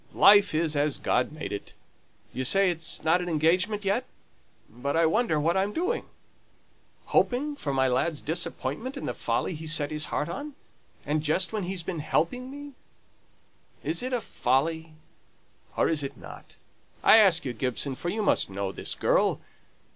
life is as God has made it. You say it's not an engagement yet? But I wonder what I'm doing? Hoping for my lad's disappointment in the folly he's set his heart on and just when he's been helping me. Is it a folly, or is it not? I ask you, Gibson, for you must know this girl.